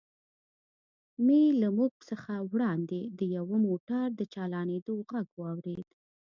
مې له موږ څخه وړاندې د یوه موټر د چالانېدو غږ واورېد.